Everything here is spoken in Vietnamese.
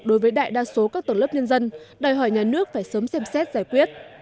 đối với đại đa số các tầng lớp nhân dân đòi hỏi nhà nước phải sớm xem xét giải quyết